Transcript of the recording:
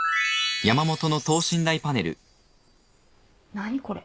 ・何これ。